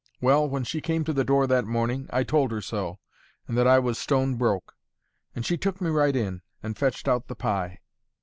Well, when she came to the door that morning, I told her so, and that I was stone broke; and she took me right in, and fetched out the pie."